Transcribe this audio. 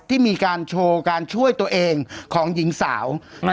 ที่มีการโชว์การช่วยตัวเองของหญิงสาว